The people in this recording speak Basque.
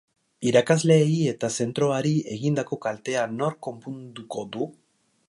Irakasleei eta zentroari egindako kaltea nork konponduko du?